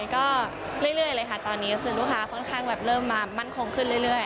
ก็เรื่อยเลยค่ะตอนนี้ก็คือลูกค้าค่อนข้างแบบเริ่มมามั่นคงขึ้นเรื่อย